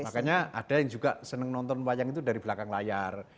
makanya ada yang juga senang nonton wayang itu dari belakang layar